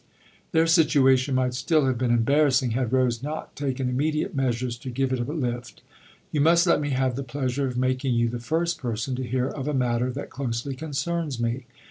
Their situation might still have been embarrassing had Rose not taken immediate measures to give it a lift. " You must let me have the pleasure of making you the first person to hear of a matter that closely corfcerns me."